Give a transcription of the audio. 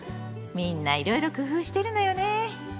みんないろいろ工夫してるのよね。